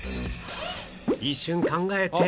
一瞬考えて